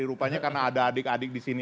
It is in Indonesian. jadi rupanya karena ada adik adik di sini